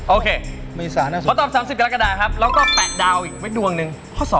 โอเคเมษาน่าสุดเพราะตอบ๓๐กระดาษครับแล้วก็แปะดาวอีกเว็บดวงนึง